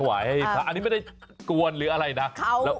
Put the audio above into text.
อันนี้ไม่ได้กวนหรืออะไรเน้